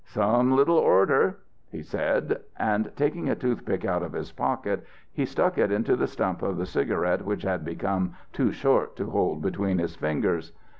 "'Some little order,' he said. And taking a toothpick out of his pocket he stuck it into the stump of the cigarette which had become too short to hold between his fingers.